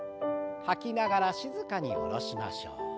吐きながら静かに下ろしましょう。